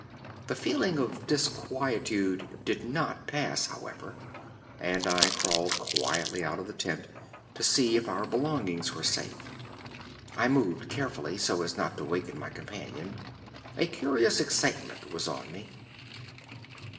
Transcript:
The feeling of disquietude did not pass, however, and I crawled quietly out of the tent to see if our belongings were safe. I moved carefully so as not to waken my companion. A curious excitement was on me.